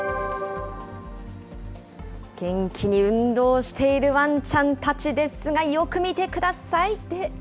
元気に運動しているワンちゃんたちですが、よく見てください。